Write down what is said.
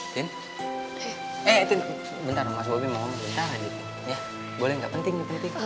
tin eh tin bentar mas bobby mau ngomong bentar ya boleh gak penting nih